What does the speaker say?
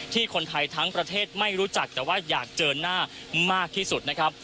คนไทยทั้งประเทศไม่รู้จักแต่ว่าอยากเจอหน้ามากที่สุดนะครับ